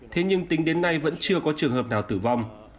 thế nhưng tính đến nay vẫn chưa có trường hợp nào tử vong